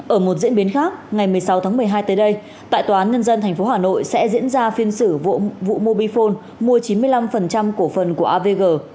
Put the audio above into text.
ở một diễn biến khác ngày một mươi sáu tháng một mươi hai tới đây tại tòa nhân dân tp hà nội sẽ diễn ra phiên xử vụ mô bi phôn mua chín mươi năm của phần của avg